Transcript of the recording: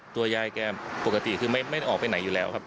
ตัวยายแกปกติคือไม่ได้ออกไปไหนอยู่แล้วครับ